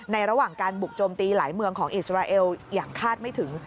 ระหว่างการบุกโจมตีหลายเมืองของอิสราเอลอย่างคาดไม่ถึง